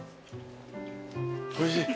おいしい？